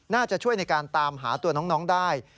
น่าจะช่วยในการตามหาตัวน้องได้